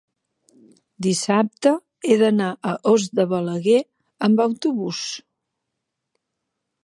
dissabte he d'anar a Os de Balaguer amb autobús.